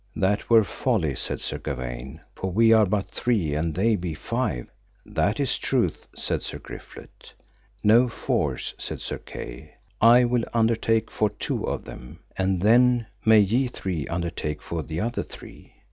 That were folly, said Sir Gawaine, for we are but three and they be five. That is truth, said Sir Griflet. No force, said Sir Kay, I will undertake for two of them, and then may ye three undertake for the other three.